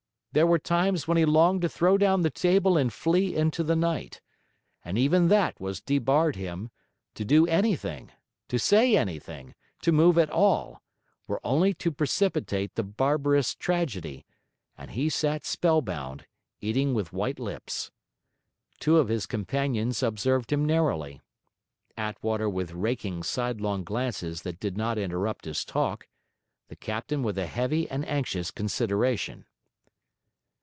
There were times when he longed to throw down the table and flee into the night. And even that was debarred him; to do anything, to say anything, to move at all, were only to precipitate the barbarous tragedy; and he sat spellbound, eating with white lips. Two of his companions observed him narrowly, Attwater with raking, sidelong glances that did not interrupt his talk, the captain with a heavy and anxious consideration.